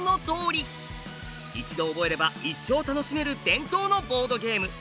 一度覚えれば一生楽しめる伝統のボードゲーム。